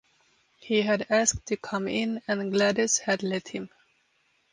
He had asked to come in and Gladys had let him.